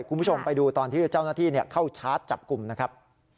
คุณผู้ชมไปดูตอนที่เจ้าหน้าที่เข้าชาร์จจับกลุ่มนะครับ